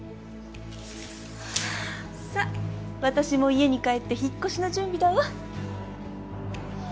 さっ私も家に帰って引っ越しの準備だわ。